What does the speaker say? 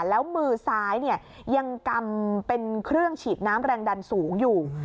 แล้วมือซ้ายยังกำเป็นเครื่องฉีดน้ำแรงดันสูงอยู่